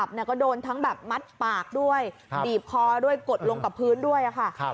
ก็โดนทั้งแบบมัดปากด้วยบีบคอด้วยกดลงกับพื้นด้วยค่ะ